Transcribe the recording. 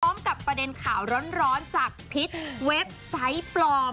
ประเด็นข่าวร้อนจากพิษเว็บไซต์ปลอม